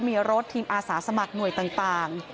มีรถทีมอาสาสมัครหน่วยต่าง